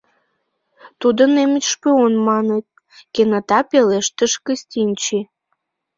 — Тудо немыч шпион, маныт, — кенета пелештыш Кыстинчи.